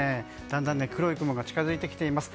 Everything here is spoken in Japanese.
だんだん黒い雲が近づいてきています。